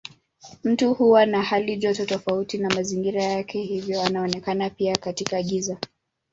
Mtu huwa na halijoto tofauti na mazingira yake hivyo anaonekana pia katika giza.